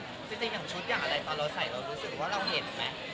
จริงอย่างชุดอย่างอะไรตอนเราใส่เรารู้สึกว่าเราเห็นไหม